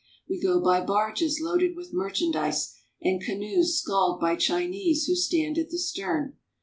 We go by barges loaded with merchandise, and canoes sculled by Chinese who stand at the stern.